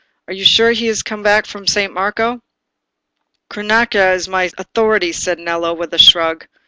Are you sure he is come back to San Marco?" "Cronaca is my authority," said Nello, with a shrug.